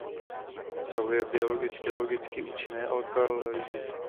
Obsahuje biologicky účinné alkaloidy.